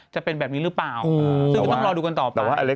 จะเป็นแบบนี้หรือเปล่าซึ่งต้องรอดูกันต่อไป